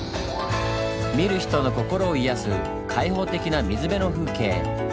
見る人の心を癒やす開放的な水辺の風景。